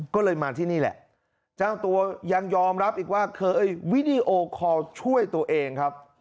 ก็เลยมาที่นี่แหละเจ้าตัวยังยอมรับอีกว่าเคยวิดีโอคอลช่วยตัวเองครับ